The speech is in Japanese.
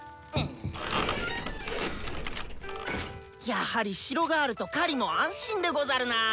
やはり城があると狩りも安心でござるな！